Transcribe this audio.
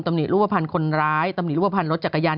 หนิรูปภัณฑ์คนร้ายตำหนิรูปภัณฑ์รถจักรยาน